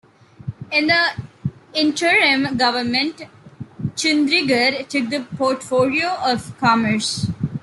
In the Interim Government, Chundrigar took the portfolio of Commerce.